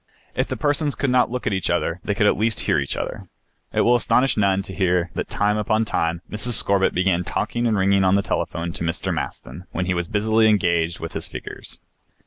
If the persons could not look at each other they could at least hear each other. It will astonish none to hear that time upon time Mrs. Scorbitt began talking and ringing on the telephone to Mr. Maston when he was busily engaged with his figures.